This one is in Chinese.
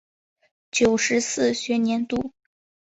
九十四学年度